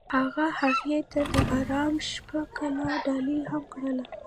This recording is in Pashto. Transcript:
هغه هغې ته د آرام شپه ګلان ډالۍ هم کړل.